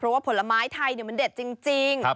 เพราะว่าผลไม้ไทยมันเด็ดจริง